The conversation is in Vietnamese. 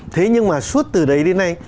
thế nhưng mà suốt từ đấy đến nay